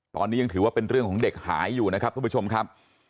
ตอนนี้ยังถือว่าเป็นเรื่องของเด็กหายอยู่นะครับทุกผู้ชมครับ